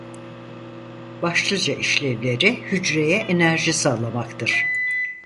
Başlıca işlevleri hücreye enerji sağlamaktır.